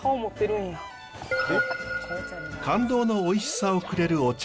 感動のおいしさをくれるお茶。